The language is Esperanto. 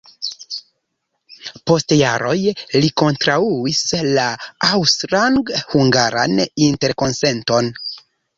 Post jaroj li kontraŭis la Aŭstran-hungaran interkonsenton.